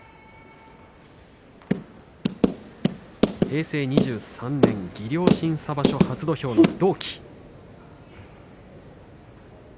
平成２３年技量審査場所初土俵の同期。